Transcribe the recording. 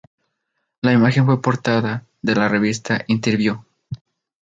La imagen fue portada de la revista "Interviú".